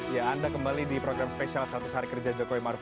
ya anda kembali di program spesial seratus hari kerja jokowi maruf